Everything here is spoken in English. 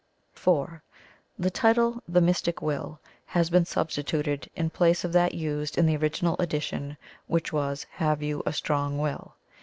(4) The title "The Mystic Will" has been substituted in place of that used in the original edition, which was "Have You a Strong Will?"